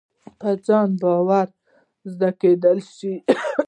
په ځان باور زده کېدلای شي.